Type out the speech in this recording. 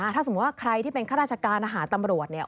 ถ้าสมมุติว่าใครที่เป็นข้าราชการอาหารตำรวจเนี่ย